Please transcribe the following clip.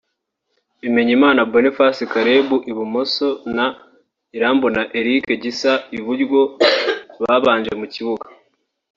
Bimenyimana Bonfils Caleb (ibumoso) na Irambona Eric Gisa (Iburyo) babanje mu kibuga